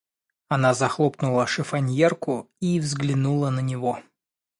Она захлопнула шифоньерку и взглянула на него.